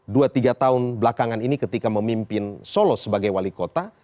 dua tiga tahun belakangan ini ketika memimpin solo sebagai wali kota